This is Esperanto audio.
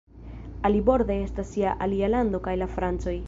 Aliborde estas ja alia lando kaj la Francoj!